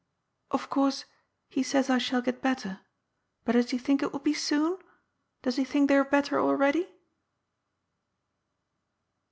Of course, he says I shall get better. But does ho think it will be soon ? Does he think they are better already